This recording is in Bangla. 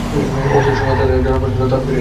অথচ সময়ের তালে তালে জ্বরের প্রচণ্ড তা বেড়েই চলছে।